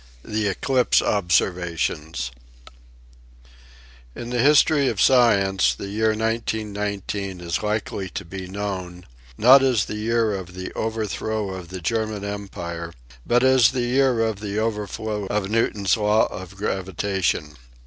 THE ECLIPSE OBSERVATIONS In the history of science the year 19 19 is likely to be known, not as the year of the overthrow of the German Empire, but as the year of the overthrow of Newton's law of gravitation.